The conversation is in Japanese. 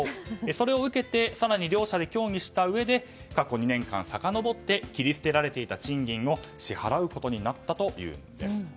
それを受けて更に両者で協議したうえで過去２年間さかのぼって切り捨てられていた賃金を支払うことになったというんです。